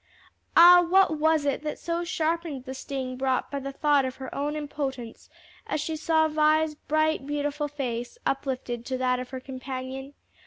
Ah, what was it that so sharpened the sting brought by the thought of her own impotence, as she saw Vi's bright, beautiful face uplifted to that of her companion?